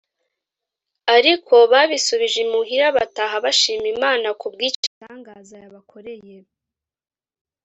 ariko babisubije imuhira bataha bashima Imana ku by’icyo gitangaza yabakoreye